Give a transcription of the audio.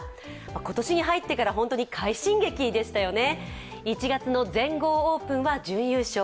今年に入ってから快進撃でしたよね。